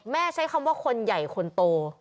ใช้คำว่าคนใหญ่คนโต